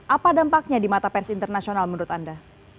apa dampaknya di mata pers internasional menurut anda